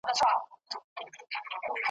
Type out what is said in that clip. چي په شا یې وو خورجین چي پر ده بار وو ,